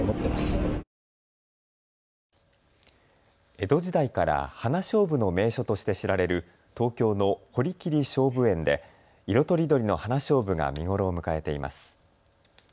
江戸時代から花しょうぶの名所として知られる東京の堀切菖蒲園で色とりどりの花しょうぶが見頃を迎えています。